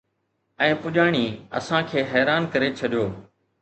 ۽ پڄاڻي اسان کي حيران ڪري ڇڏيو